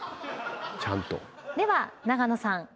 では永野さん